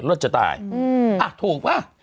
รวดจะตายอ่ะถูกป่ะ